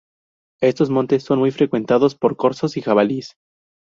Estos montes son muy frecuentados por corzos y jabalíes.